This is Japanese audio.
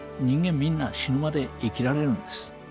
みんな死ぬまで生きられるんです。